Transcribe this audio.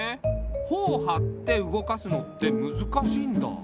ほをはって動かすのってむずかしいんだ。